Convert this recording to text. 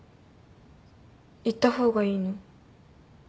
行った方がいいの？